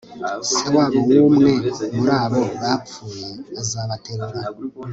se wabo w umwe muri abo bapfuye azabaterura